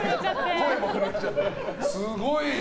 声も震えちゃって。